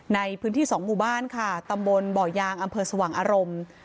ในพื้นที่สองหมู่บ้านค่ะตำบลบ่อยางอำเภอสว่างอารมณ์